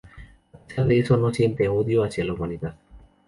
A pesar de eso, no siente odio hacia la humanidad.